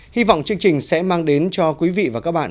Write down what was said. hy vọng chương trình sẽ mang đến cho quý vị và các bạn